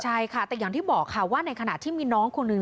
ใช่ค่ะแต่อย่างที่บอกค่ะว่าในขณะที่มีน้องคนหนึ่ง